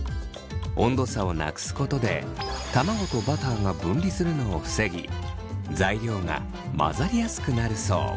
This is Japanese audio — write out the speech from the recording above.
温度差をなくすことで卵とバターが分離するのを防ぎ材料が混ざりやすくなるそう。